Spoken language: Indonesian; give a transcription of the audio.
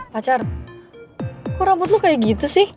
pacar kok rambut lo kayak gitu sih